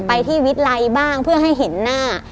ไปที่วิรัยบ้างเพื่อให้เห็นหน้า